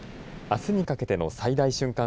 あすにかけての最大瞬間